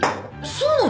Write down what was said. そうなの？